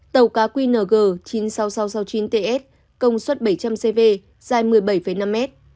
tàu cá qng chín mươi sáu nghìn sáu trăm sáu mươi chín ts công suất bảy trăm linh cv dài một mươi bảy năm mét